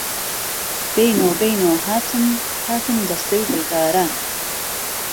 بهینۆ بهینۆ هاتن، هاتن دهستهی دڵداران